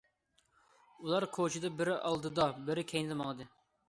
ئۇلار كوچىدا بىرى ئالدىدا، بىرى كەينىدە ماڭدى.